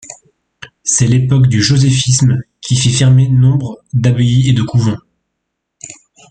C'est l'époque du joséphisme qui fit fermer nombre d'abbayes et de couvents.